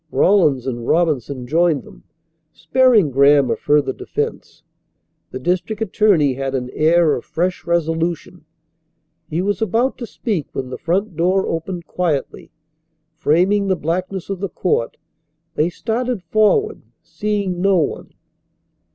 Rawlins and Robinson joined them, sparing Graham a further defence. The district attorney had an air of fresh resolution. He was about to speak when the front door opened quietly, framing the blackness of the court. They started forward, seeing no one.